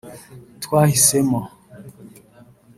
twahisemo